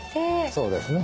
そうですね。